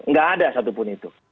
enggak ada satupun itu